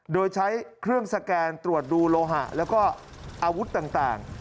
โดยใช้เครื่องสแกนตรวจดูโลหะแล้วก็อาวุธต่าง